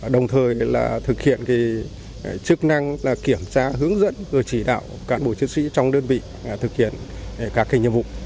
đồng thời thực hiện chức năng kiểm tra hướng dẫn và chỉ đạo các bộ chức sĩ trong đơn vị thực hiện các nhiệm vụ